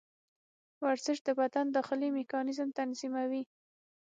ورزش د بدن داخلي میکانیزم تنظیموي.